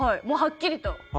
もうはっきりと。